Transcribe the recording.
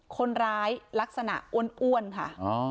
คนร้ายลักษณะอ้วนค่ะ